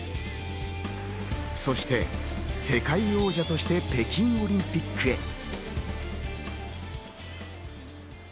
そして世界王者として北京オリンピックへ。